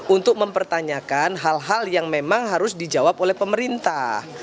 untuk mempertanyakan hal hal yang memang harus dijawab oleh pemerintah